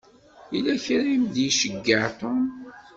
Yella kra i m-d-iceyyeɛ Tom.